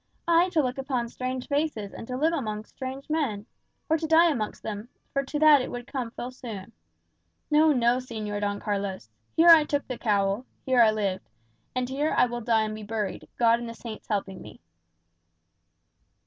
I to look upon strange faces, and to live amongst strange men! Or to die amongst them, for to that it would come full soon! No, no, Señor Don Carlos. Here I took the cowl; here I lived; and here I will die and be buried, God and the saints helping me!"